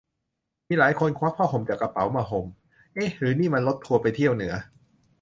มีหลายคนควักผ้าห่มจากกระเป๋ามาห่ม เอ๊ะหรือนี่มันรถทัวร์ไปเที่ยวเหนือ ?